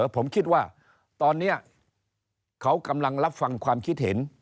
ผมคิดว่าตอนนี้เขากำลังรับฟังความคิดเห็น